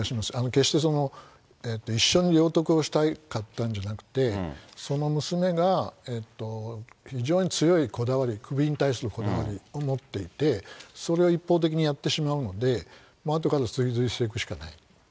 決して一緒に領得をしたかったんじゃなくて、その娘が非常に強いこだわり、首に対するこだわりを持っていて、それを一方的にやってしまうので、あとから追随していくしかない。